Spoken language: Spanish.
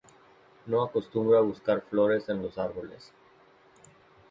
No acostumbra buscar flores en los árboles.